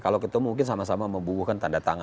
kalau ketemu mungkin sama sama membubuhkan tanda tangan